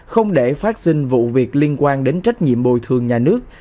không để phát sinh vụ việc liên quan đến trách nhiệm bồi thường nhà nước